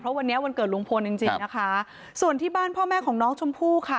วันนี้วันเกิดลุงพลจริงจริงนะคะส่วนที่บ้านพ่อแม่ของน้องชมพู่ค่ะ